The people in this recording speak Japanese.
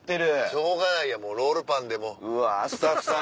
しょうがないやんもうロールパンでスタッフさん。